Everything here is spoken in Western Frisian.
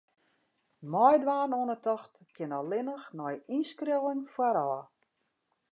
Meidwaan oan 'e tocht kin allinnich nei ynskriuwing foarôf.